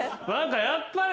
やっぱり。